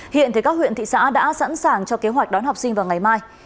hiện các huyện thị xã đã sẵn sàng cho kế hoạch đón học sinh vào ngày mai